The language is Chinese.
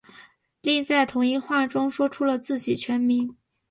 另在同一话中说出了自己全名。